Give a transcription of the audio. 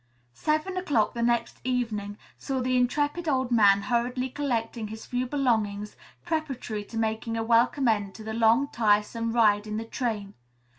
Seven o'clock the next evening saw the intrepid old man hurriedly collecting his few belongings, preparatory to making a welcome end to the long, tiresome ride in the train.